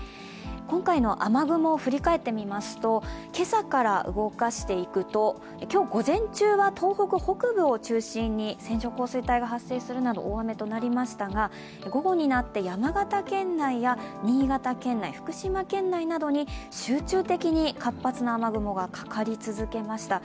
今回の雨雲、振り返ってみますと今朝から動かしていくと今日午前中は東北北部を中心に線状降水帯が発生するなど大雨となりましたが、午後になって山形県内や新潟県内、福島県内に集中的に活発な雨雲がかかり続けました。